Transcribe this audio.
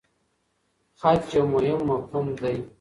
خج یو مهم مفهوم دی.